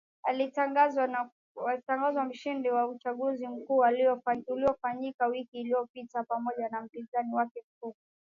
aliyetangazwa mshindi wa uchaguzi mkuu uliofanyika wiki iliyopita pamoja na mpinzani wake mkuu